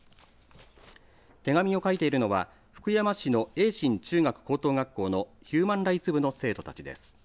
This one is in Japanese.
手紙を書いているのは福山市の盈進中学高等学校のヒューマンライツ部の生徒たちです。